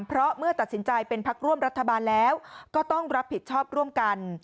เพราะเมื่อตัดสินใจเป็นพักร่วมรัฐบาลแล้วก็ต้องรับผิดชอบร่วมกัน